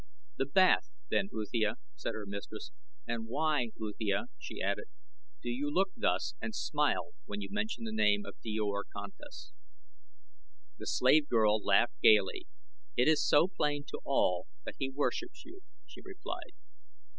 "The bath, then, Uthia," said her mistress. "And why, Uthia," she added, "do you look thus and smile when you mention the name of Djor Kantos?" The slave girl laughed gaily. "It is so plain to all that he worships you," she replied.